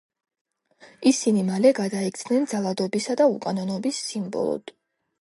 ისინი მალე გადაიქცნენ ძალადობისა და უკანონობის სიმბოლოდ.